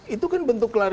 itu kan bentuk kelas